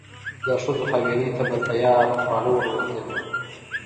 د ښځو حویلۍ ته به تیار خواړه وروړل کېدل.